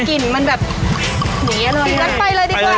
กลิ่นมันแบบนี้อร่อยเลย